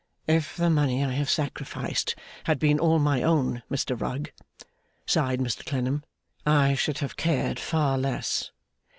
'If the money I have sacrificed had been all my own, Mr Rugg,' sighed Mr Clennam, 'I should have cared far less.